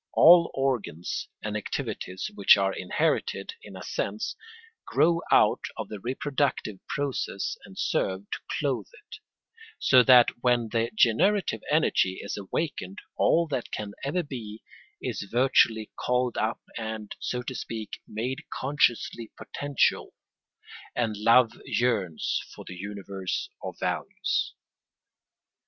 All organs and activities which are inherited, in a sense, grow out of the reproductive process and serve to clothe it; so that when the generative energy is awakened all that can ever be is virtually called up and, so to speak, made consciously potential; and love yearns for the universe of values.